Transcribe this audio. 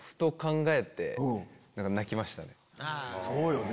そうよね